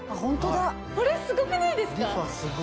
これすごくないですか？